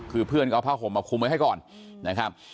คือเพื่อนก็เอาผ้าห่มมาคุมไว้ให้ก่อนนะครับ